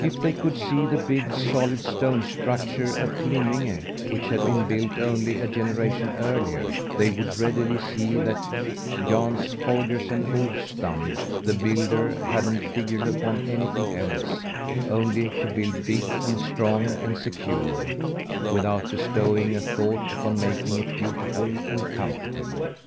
If they could see the big, solid stone structure at Glimminge, which had been built only a generation earlier, they would readily see that Jans Holgersen Ulfstand, the builder, hadn't figured upon anything else only to build big and strong and secure, without bestowing a thought upon making it beautiful and comfortable.